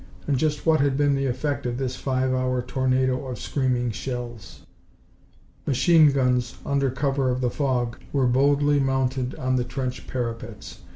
And just what had been the effect of this five hour tornado of screaming shells? Machine guns, under cover of the fog, were boldly mounted on the trench parapets.